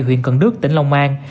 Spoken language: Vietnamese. huyện cần đức tỉnh long an